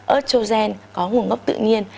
estrogen có nguồn gốc tự nhiên